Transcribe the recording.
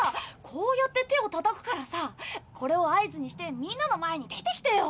こうやって手をたたくからさこれを合図にしてみんなの前に出てきてよ。